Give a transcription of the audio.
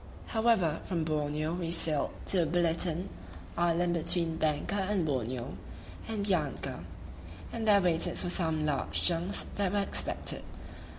However, from Borneo we sailed to Biliton [island between Banka and Borneo] and Bianca, and there waited for some large junks that were expected.